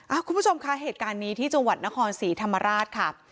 คุณผู้ชมคะเหตุการณ์นี้ที่จังหวัดนครศรีธรรมราชค่ะ